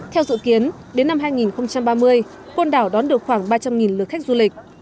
theo dự kiến đến năm hai nghìn ba mươi côn đảo đón được khoảng ba trăm linh lượt khách du lịch